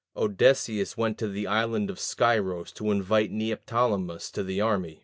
Odysseus went to the island of Scyros to invite Neoptolemus to the army.